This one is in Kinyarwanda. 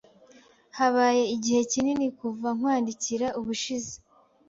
Habaye igihe kinini kuva nkwandikira ubushize.